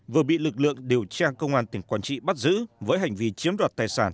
vừa bị lực lượng điều tra công an tỉnh quảng trị bắt giữ với hành vi chiếm đoạt tài sản